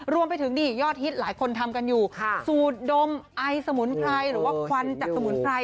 รวมไปถึงนี่ยอดฮิตหลายคนทำกันอยู่สูตรดมไอสมุนไพรหรือว่าควันจากสมุนไพร